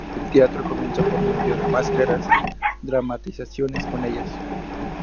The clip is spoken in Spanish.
El teatro comienza por medio de máscaras y dramatizaciones con ellas.